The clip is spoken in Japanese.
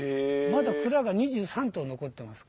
まだ蔵が２３棟残ってます。